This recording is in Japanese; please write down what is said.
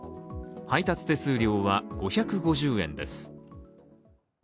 配達手数料は５５０円です。